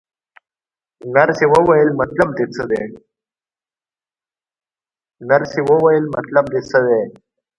نرسې وویل: مطلب دې څه دی؟